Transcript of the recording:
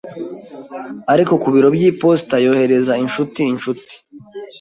Ari ku biro by'iposita yohereza inshuti inshuti.